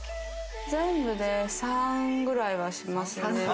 全部で３くらいはしますね。